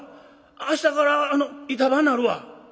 明日からあの板場になるわ」。